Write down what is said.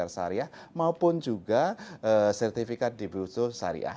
sariah maupun juga sertifikat debuto sariah